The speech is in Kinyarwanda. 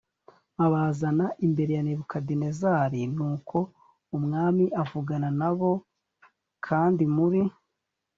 abazana imbere ya nebukadinezari nuko umwami avugana na bo kandi muri